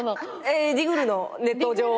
ディグるのネット上を。